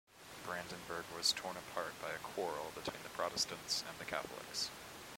Brandenburg was torn apart by a quarrel between the Protestants and the Catholics.